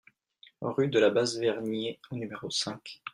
Rue de la Basse Vergnée au numéro cinq